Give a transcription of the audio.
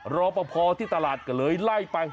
รอปภที่ตลาดก็เลยไล่ไป